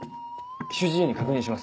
主治医に確認します。